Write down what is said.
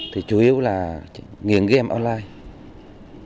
thì chủ yếu là nghiền game online